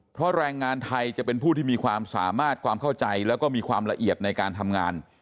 เพราะแรงงานไทยจะเป็นผู้ที่มีความสามารถความเข้าใจแล้วก็มีความละเอียดในการทำงาน